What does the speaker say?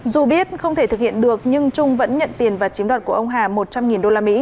dù biết không thể thực hiện được nhưng trung vẫn nhận tiền và chiếm đoạt của ông hà một trăm linh usd